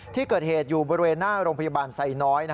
ที่เกิดเหตุอยู่บริเวณหน้าโรงพยาบาลไซน้อย